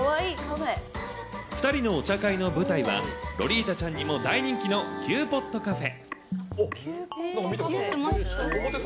２人のお茶会の舞台は、ロリータちゃんにも大人気のＱポットカフェ。